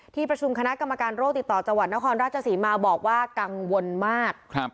ที่ประชุมคณะกรรมการโรคติดต่อจังหวัดนครราชศรีมาบอกว่ากังวลมาก